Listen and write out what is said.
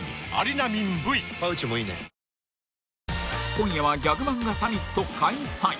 今夜はギャグ漫画サミット開催